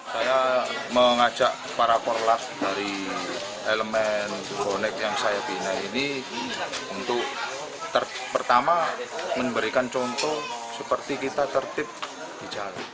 dari elemen bonek yang saya pindah ini untuk pertama memberikan contoh seperti kita tertib di jalan